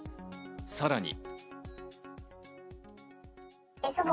さらに。